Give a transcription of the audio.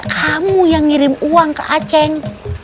kamu yang ngirim uang ke aceh